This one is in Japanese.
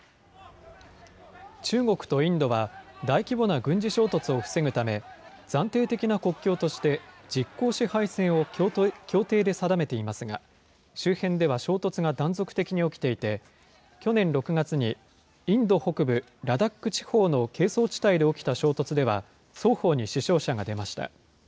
中国とインドは、大規模な軍事衝突を防ぐため、暫定的な国境として、実効支配線を協定で定めていますが、周辺では衝突が断続的に起きていて、去年６月にインド北部、ラダック地方の係争地帯で起きた衝突では、双方に死傷者が出ました。